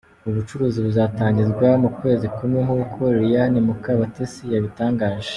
Ubu bucuruzi buzatangizwa mu kwezi kumwe nk’uko Liliane Mukabatesi yabitangaje.